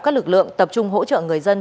các lực lượng tập trung hỗ trợ người dân